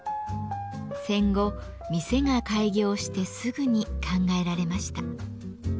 戦後店が開業してすぐに考えられました。